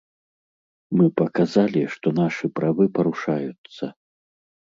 Мы паказалі, што нашы правы парушаюцца.